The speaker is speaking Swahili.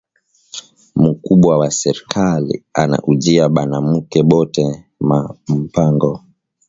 Mukubwa wa serkali ana ujiya banamuke bote ma mpango